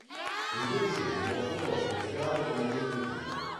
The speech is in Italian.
Il dodicesimo fu poi selezionato come definitivo.